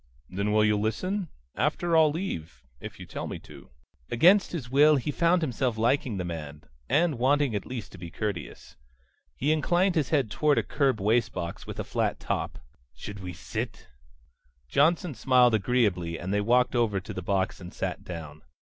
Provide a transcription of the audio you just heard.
"Then will you just listen? After, I'll leave if you tell me to." Against his will he found himself liking the man, and wanting at least to be courteous. He inclined his head toward a curb wastebox with a flat top. "Should we sit?" Johnson smiled agreeably and they walked over to the box and sat down.